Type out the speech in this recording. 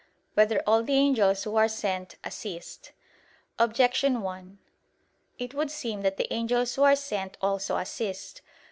3] Whether All the Angels Who Are Sent, Assist? Objection 1: It would seem that the angels who are sent also assist.